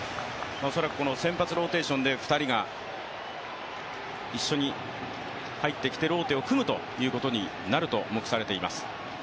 恐らく先発ローテーションで２人が一緒に入ってきてローテを組むということになると目されています。